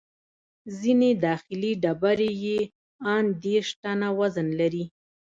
ځینې داخلي ډبرې یې ان دېرش ټنه وزن لري.